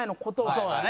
そうだね。